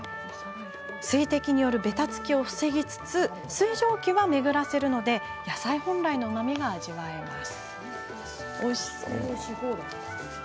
水滴による、べたつきを防ぎつつ水蒸気は巡らせるので野菜本来のうまみが味わえます。